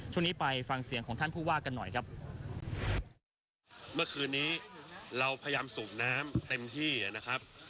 ช่วงนี้ไปฟังเสียงของท่านผู้ว่ากันหน่อยครับเมื่อคืนนี้เราพยายามสูบน้ำเต็มที่นะครับ